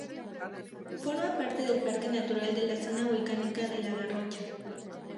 Forma parte del Parque Natural de la Zona Volcánica de la Garrocha.